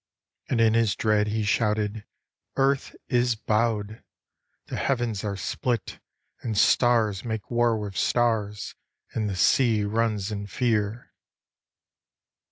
And in his dread he shouted :" Earth is bowed, The heavens are split and stars make war with stars And the sea runs in fear